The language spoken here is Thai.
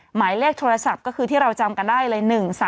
หมายเลขโทรศัพท์ก็คือที่เราจำกันได้เลย